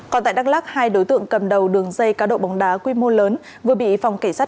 còn tại đắk lắc hai đối tượng cầm đầu đường dây cá độ bóng đá quy mô lớn vừa bị phòng cảnh sát